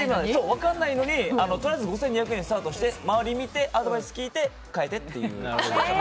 分かんないのにとりあえず５２００円でスタートして周り見てアドバイス来て変えてって。